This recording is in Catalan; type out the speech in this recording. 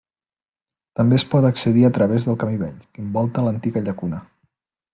També es pot accedir a través del camí vell, que envolta l'antiga llacuna.